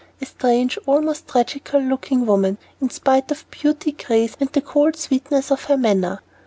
A strange, almost tragical looking woman, in spite of beauty, grace, and the cold sweetness of her manner.